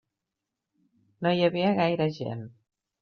No hi havia gaire gent.